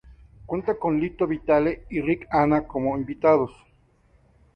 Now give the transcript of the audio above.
Cuenta con Lito Vitale y Rick Anna como invitados.